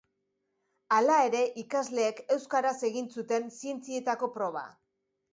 Hala ere, ikasleek euskaraz egin zuten zientzietako proba.